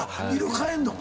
変えんの？